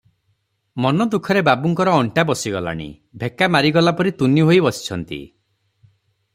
ମନୋଦୁଃଖରେ ବାବୁଙ୍କର ଅଣ୍ଟା ବସିଗଲାଣି, ଭେକା ମାରିଗଲା ପରି ତୁନି ହୋଇ ବସିଛନ୍ତି ।